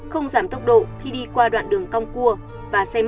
không giảm tốc độ khi đi qua đoạn đường cong cua và xe mất lái tự gây tai nạn